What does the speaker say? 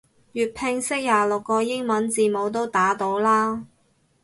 粵拼識廿六個英文字母都打到啦